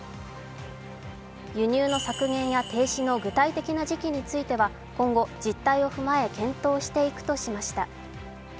輸入の削減や停止の具体的な時期については今後実態を踏まえ検討していくとしました。